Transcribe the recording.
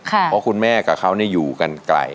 เพราะคุณแม่กับเขาอยู่กันไกล